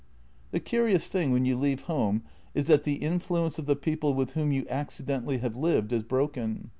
" The curious thing when you leave home is that the in fluence of the people with whom you accidentally have lived is broken.